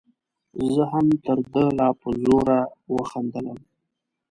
زه هم تر ده لا په زوره وخندلم.